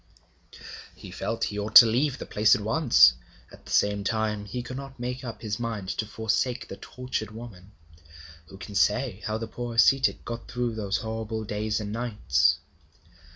He felt he ought to leave the place at once; at the same time he could not make up his mind to forsake the tortured woman. Who can say how the poor ascetic got through those terrible days and nights?